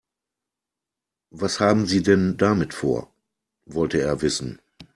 Was haben Sie denn damit vor?, wollte er wissen.